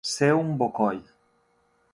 Ser un bocoi.